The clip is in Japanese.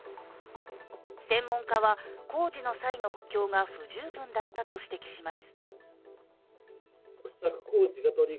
専門家は、工事の際の補強が不十分だったと指摘します。